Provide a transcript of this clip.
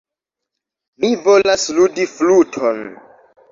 Mi volas ludi fluton.